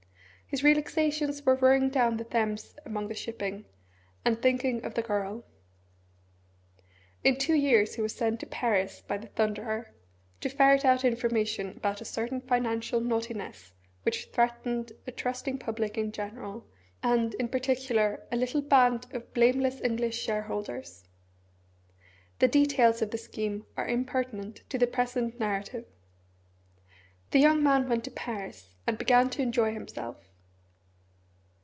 His relaxations were rowing down the Thames among the shipping, and thinking of the girl. In two years he was sent to Paris by the Thunderer to ferret out information about a certain financial naughtiness which threatened a trusting public in general, and, in particular, a little band of blameless English shareholders. The details of the scheme are impertinent to the present narrative. The young man went to Paris and began to enjoy himself.